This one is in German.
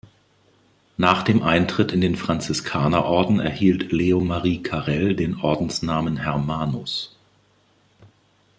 Nach dem Eintritt in den Franziskanerorden erhielt Leo Marie Karel den Ordensnamen Hermanus.